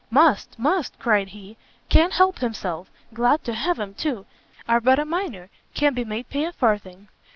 "Must, must," cried he, "can't help himself; glad to have 'em too. Are but a minor, can't be made pay a farthing."